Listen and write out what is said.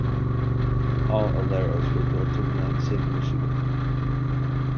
All Aleros were built in Lansing, Michigan.